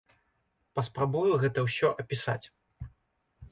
Паспрабую гэта ўсё апісаць.